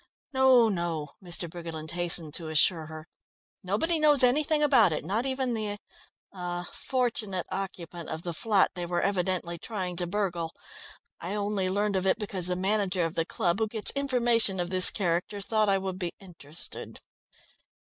"No, no," Mr. Briggerland hastened to assure her. "Nobody knows anything about it, not even the er fortunate occupant of the flat they were evidently trying to burgle. I only learnt of it because the manager of the club, who gets information of this character, thought I would be interested."